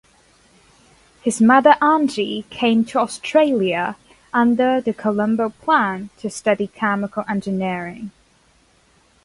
His mother Angie came to Australia under the Colombo Plan to study chemical engineering.